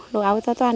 lô áo toàn toàn